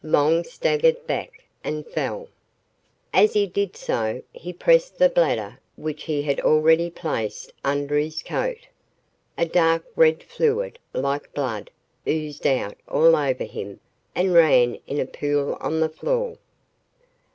Long staggered back and fell. As he did so, he pressed the bladder which he had already placed under his coat. A dark red fluid, like blood, oozed out all over him and ran in a pool on the floor.